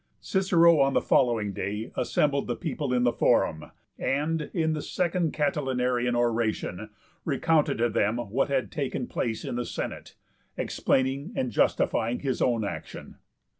Cicero on the following day assembled the people in the Forum, and in the Second Catilinarian Oration recounted to them what had taken place in the Senate, explaining and justifying his own action.